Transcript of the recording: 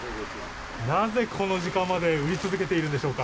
なぜこの時間まで売り続けているんでしょうか？